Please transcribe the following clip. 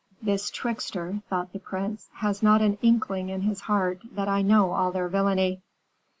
"This trickster," thought the prince, "has not an inkling in his heart that I know all their villainy."